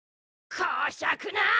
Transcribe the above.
こしゃくな。